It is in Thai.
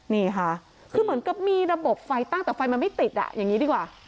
นี่ค่ะคือเหมือนกับมีระบบไฟตั้งแต่ไฟมันไม่ติดอ่ะอย่างนี้ดีกว่า